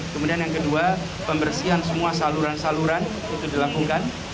kemudian yang kedua pembersihan semua saluran saluran itu dilakukan